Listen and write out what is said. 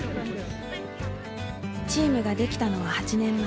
チームができたのは８年前。